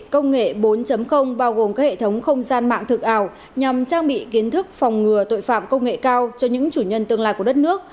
công nghệ bốn bao gồm các hệ thống không gian mạng thực ảo nhằm trang bị kiến thức phòng ngừa tội phạm công nghệ cao cho những chủ nhân tương lai của đất nước